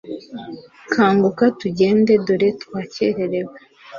Kanguka tugende dore twakererewe